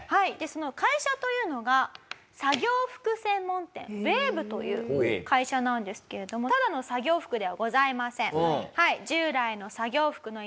その会社というのが作業服専門店ＷＡＶＥという会社なんですけれどもただの作業服ではございません。